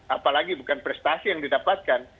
apalagi bukan prestasi yang didapatkan